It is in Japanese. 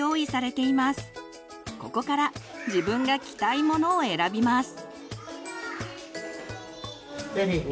ここから自分が着たいものを選びます。